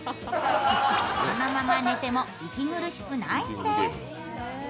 そのまま寝ても息苦しくないんです。